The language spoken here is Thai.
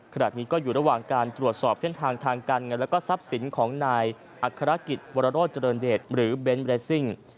ขณะนี้ก็อยู่ระหว่างการตรวจสอบเส้นทางทางการเงินแล้วก็ทรัพย์สินของนายอัครกิจวรโรธเจริญเดชหรือเบนท์เรซิ่ง